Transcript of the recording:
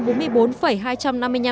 bốn mươi bốn hai triệu đồng